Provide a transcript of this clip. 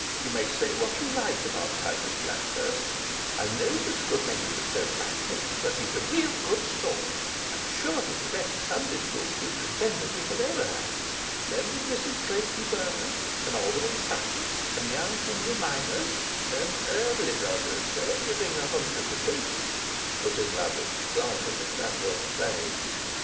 You may say what you like about Titus Blackhurst I know there's a good many that don't like him but he's a real good sort. I'm sure he's the best Sunday School superintendent we ever had. Then there's Mr Clayton Vernon, and Alderman Sutton, and young Henry Mynors and " "And Eardley Brothers they're giving a hundred apiece," put in Lovatt, glancing at Randolph Sneyd.